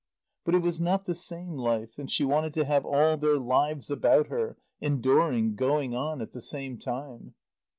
But it was not the same life; and she wanted to have all their lives about her, enduring, going on, at the same time.